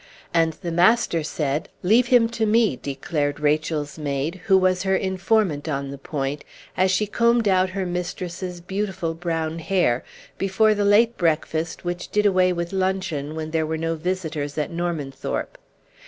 "And the master said, 'leave him to me,'" declared Rachel's maid, who was her informant on the point, as she combed out her mistress's beautiful brown hair, before the late breakfast which did away with luncheon when there were no visitors at Normanthorpe.